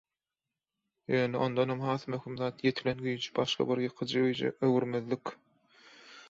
Ýöne ondanam has möhüm zat - ýetilen güýji başga bir ýykyjy güýje öwürmezlik.